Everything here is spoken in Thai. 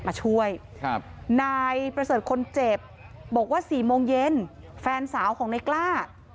มาช่วยครับนายประเสริฐคนเจ็บบอกว่า๔โมงเย็นแฟนสาวของนายกล้า